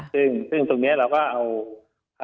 ซึ่งเราก็เอา